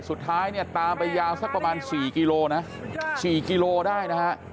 สุดท้ายเนี่ยตามไปยาวสักประมาณ๔กิโลนะ๔กิโลได้นะฮะ